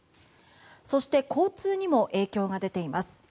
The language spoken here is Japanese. そして、交通にも影響が出ています。